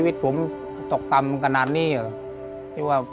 และกับผู้จัดการที่เขาเป็นดูเรียนหนังสือ